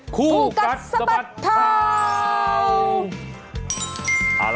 โครกฎสะบัดเท่า